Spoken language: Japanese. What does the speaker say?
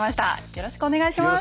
よろしくお願いします。